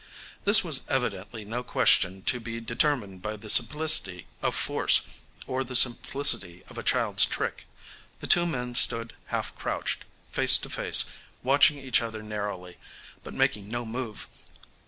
This was evidently no question to be determined by the simplicity of force or the simplicity of a child's trick. The two men stood half crouched, face to face, watching each other narrowly, but making no move.